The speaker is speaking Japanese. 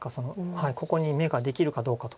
ここに眼ができるかどうかと。